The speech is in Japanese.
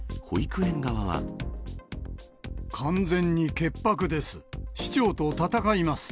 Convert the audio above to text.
完全に潔白です。